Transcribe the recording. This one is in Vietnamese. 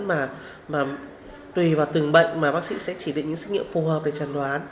mà tùy vào từng bệnh mà bác sĩ sẽ chỉ định những xét nghiệm phù hợp đấy